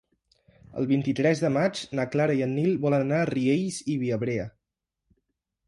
El vint-i-tres de maig na Clara i en Nil volen anar a Riells i Viabrea.